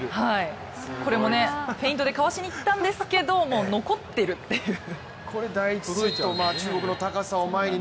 これもね、フェイントでかわしにいったんですけどもう残ってるっていう。